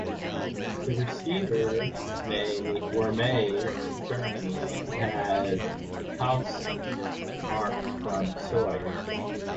The receivers were made in Germany and had house marks from Sauer.